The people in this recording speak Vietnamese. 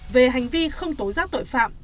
về hành vi không tố giác tội phạm